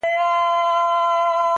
تر نگین لاندي پراته درته لوی غرونه!